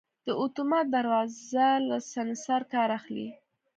دا اتومات دروازه له سنسر کار اخلي.